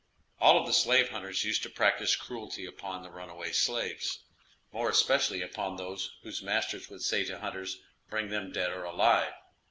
All of the slave hunters used to practice cruelty upon the runaway slaves; more especially upon those whose masters would say to hunters "bring them dead or alive."